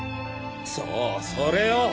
そうそれよ！